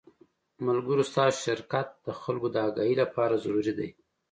ملګرو ستاسو شرکت د خلکو د اګاهۍ له پاره ضروري دے